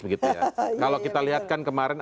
begitu ya kalau kita lihatkan kemarin